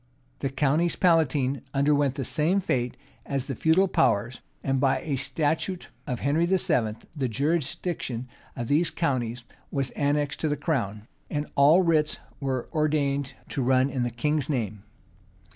The counties palatine underwent the same fate as the feudal powers; and, by a statute of Henry VIII.,[*] the jurisdiction of these counties was annexed to the crown, and all writs were ordained to run in the king's name.